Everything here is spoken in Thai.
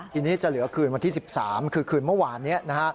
ทีนี้จะเหลือคืนวันที่๑๓คือคืนเมื่อวานนี้